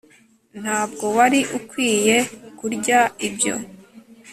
ntabwo wari ukwiye kurya ibyo